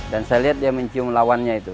dan saya lihat dia mencium lawannya itu